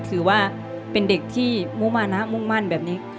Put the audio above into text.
ถือว่าเป็นเด็กที่มุมานะมุ่งมั่นแบบนี้